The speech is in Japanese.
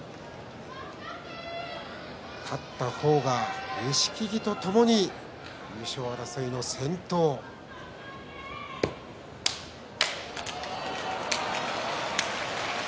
勝った方が錦木とともに優勝争いの先頭に立ちます。